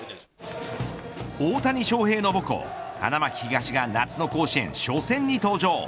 大谷翔平の母校、花巻東が夏の甲子園初戦に登場。